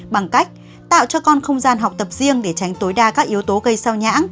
bằng cách tạo cho con không gian học tập riêng để tránh tối đa các yếu tố gây sao nhãng